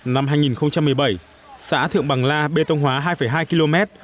năm hai nghìn một mươi bảy xã thượng bằng la bê tông hóa hai hai km